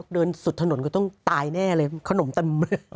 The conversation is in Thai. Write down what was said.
เดินสุดถนนก็ต้องตายแน่เลยขนมเต็ม